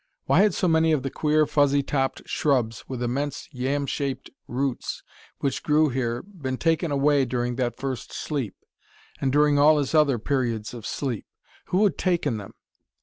Why had so many of the queer, fuzzy topped shrubs with immense yam shaped roots, which grew here been taken away during that first sleep, and during all his other periods of sleep? Who had taken them?